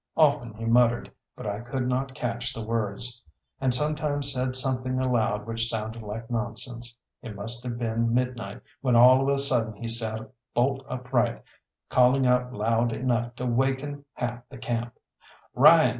Often he muttered, but I could not catch the words, and sometimes said something aloud which sounded like nonsense. It must have been midnight, when all of a sudden he sat bolt upright, calling out loud enough to waken half the camp "Ryan!"